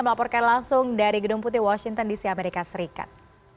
melaporkan langsung dari gedung putih washington dc amerika serikat